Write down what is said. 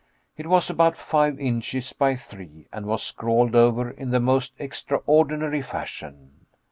It was about five inches by three and was scrawled over in the most extraordinary fashion.